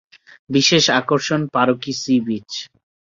বিশেষ আকর্ষণ পারকী সী বীচ।